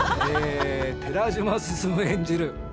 寺島進演じる